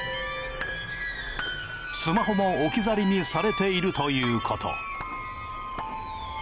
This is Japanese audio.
スマホも置き去りにされているということ。